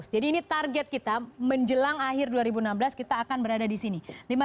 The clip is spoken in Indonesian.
jadi ini target kita menjelang akhir dua ribu enam belas kita akan berada di sini